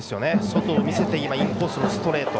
外を見せてからインコースのストレート。